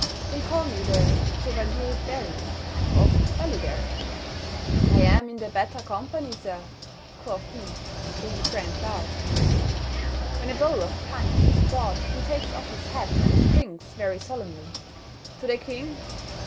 "They call me the Chevalier Barry, of Ballybarry." "I am in the better company, sir," quoth he, with a grand bow. When a bowl of punch was brought he takes off his hat, and drinks, very solemnly, "To the King!"